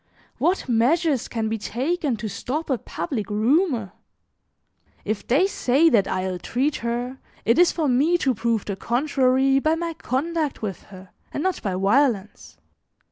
What measures can be taken to stop a public rumor? If they say that I ill treat her, it is for me to prove the contrary by my conduct with her, and not by violence.